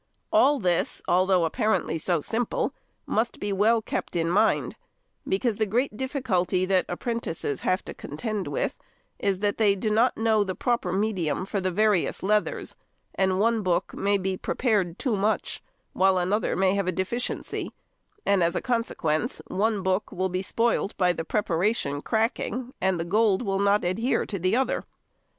All this, although apparently so simple, must be well kept in mind, because the great difficulty that apprentices have to contend with is, that they do not know the proper medium for the various leathers, and one book may be prepared too much, while another may have a deficiency, and as a consequence, one book will be spoilt by the preparation cracking, and the gold not adhere to the other.